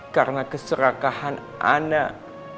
karena keserakahan anak